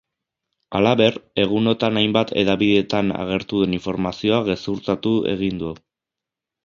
Halaber, egunotan hainbat hedabideetan agertu den informazioa gezurtatu egin du.